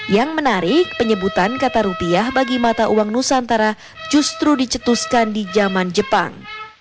yang menarik penyebutan kata rupiah bagi mata uang nusantara justru dicetuskan di zaman jepang